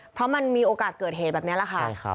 เพราะมันมีโอกาสเกิดเหตุแบบนี้แหละค่ะ